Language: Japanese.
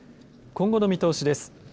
今後の見通しです。